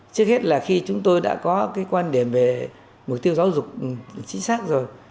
trước hết là khi chúng tôi đã có cái quan điểm về mục tiêu giáo dục chính xác rồi